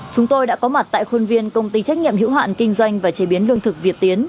chúng tôi đã có mặt tại khuôn viên công ty trách nhiệm hữu hạn kinh doanh và chế biến lương thực việt tiến